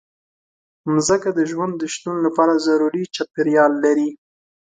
مځکه د ژوند د شتون لپاره ضروري چاپېریال لري.